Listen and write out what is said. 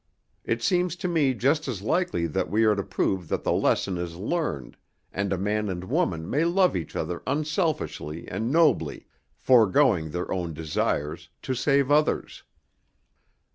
It seems to me just as likely that we are to prove that the lesson is learned, and a man and woman may love each other unselfishly and nobly, foregoing their own desires to save others.